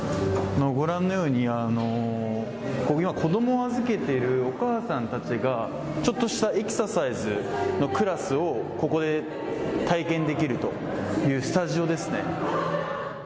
ご覧のように今、子供を預けているお母さんたちがちょっとしたエクササイズのクラスをここで体験できるというスタジオですね。